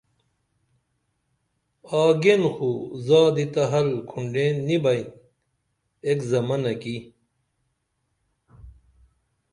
آگین خو زادی تہ حل کُھنڈین نی بئن ایک زمنہ کی